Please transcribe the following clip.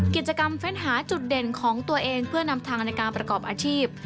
เฟ้นหาจุดเด่นของตัวเองเพื่อนำทางในการประกอบอาชีพ